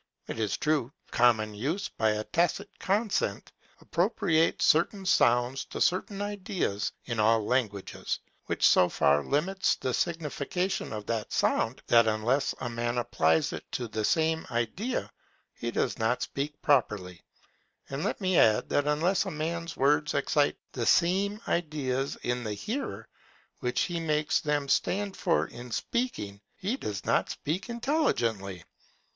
It is true, common use, by a tacit consent, appropriates certain sounds to certain ideas in all languages, which so far limits the signification of that sound, that unless a man applies it to the same idea, he does not speak properly: and let me add, that unless a man's words excite the same ideas in the hearer which he makes them stand for in speaking, he does not speak intelligibly.